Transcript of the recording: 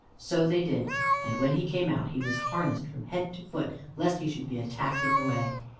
So they did, and when he came out, he was harnessed from head to foot, lest he should be attacked in the way.